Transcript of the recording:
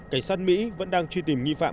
cảnh sát mỹ vẫn đang truy tìm nghi phạm